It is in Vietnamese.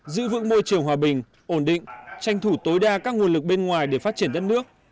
giữ vững môi trường hòa bình ổn định tranh thủ tối đa các nguồn lực bên ngoài để phát triển đất nước